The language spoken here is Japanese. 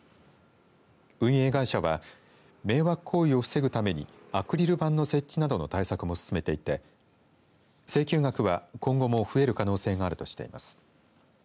運営会社は迷惑行為を防ぐためにアクリル板の設置などの対策も進めていて請求額は今後も増える可能性があるとしています。